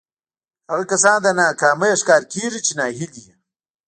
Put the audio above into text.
هغه کسان د ناکامۍ ښکار کېږي چې ناهيلي وي.